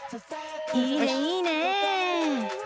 いいね、いいね！